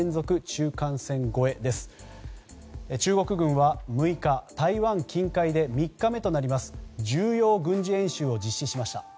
中国軍は６日、台湾近海で３日目となります重要軍事演習を実施しました。